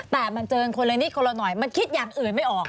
แต่มันเจอกันคนละนิดคนละหน่อยมันคิดอย่างอื่นไม่ออก